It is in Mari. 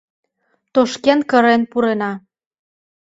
Тошкен-кырен пурена.